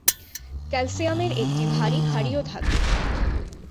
ক্যালসিয়ামের একটি ভারী ক্ষারীয় ধাতু।